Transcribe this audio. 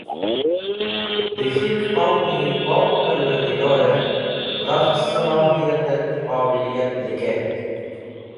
De K̃hik Qawmi Pok Parwardigore Ghafch Salohiyatet Qobiliyat likerk.